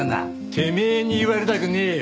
てめえに言われたくねえよ